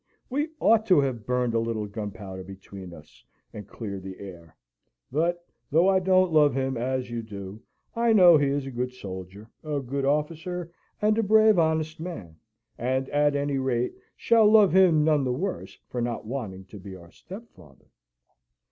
We ought to have burned a little gunpowder between us, and cleared the air. But though I don't love him, as you do, I know he is a good soldier, a good officer, and a brave, honest man; and, at any rate, shall love him none the worse for not wanting to be our stepfather."